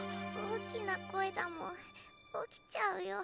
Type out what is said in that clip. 大きな声だもん起きちゃうよ。